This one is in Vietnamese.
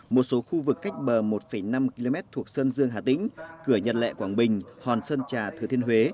một số khu vực cách bờ một năm km thuộc sơn dương hà tĩnh cửa nhật lệ quảng bình hòn sơn trà thừa thiên huế